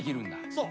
そう。